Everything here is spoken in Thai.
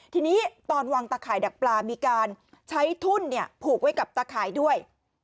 ทีนี้ตอนวางตะข่ายดักปลามีการใช้ทุ่นผูกไว้กับตาข่ายด้วย